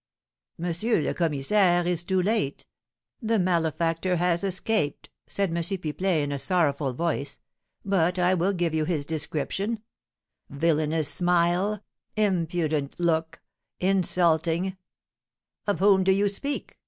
"M. le Commissaire is too late; the malefactor has escaped," said M. Pipelet, in a sorrowful voice; "but I will give you his description, villainous smile, impudent look, insulting " "Of whom do you speak?"